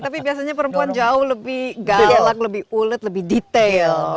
tapi biasanya perempuan jauh lebih galak lebih ulet lebih detail